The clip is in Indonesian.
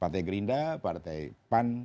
partai gerinda partai pan